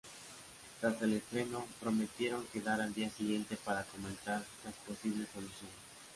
Tras el estreno prometieron quedar al día siguiente para comentar las posibles soluciones.